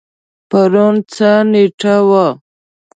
پرون څه نیټه وه؟